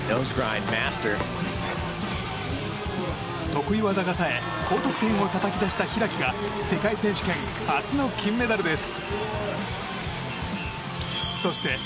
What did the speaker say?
得意技がさえ高得点をたたき出した開が世界選手権、初の金メダルです。